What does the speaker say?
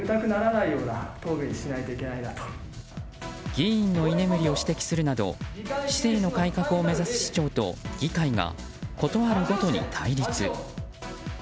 議員の居眠りを指摘するなど姿勢の改革を目指す市長と議会が事あるごとに対立。